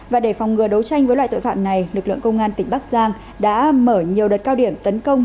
và để phòng ngừa đấu tranh với loại tội phạm này lực lượng công an tỉnh bắc giang đã mở nhiều đợt cao điểm tấn công